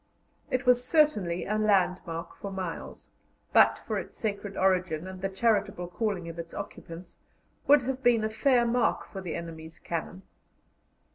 It was certainly a landmark for miles, and, but for its sacred origin and the charitable calling of its occupants, would have been a fair mark for the enemy's cannon.